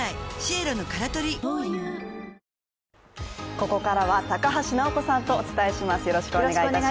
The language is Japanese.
ここからは、高橋尚子さんとお伝えいたします。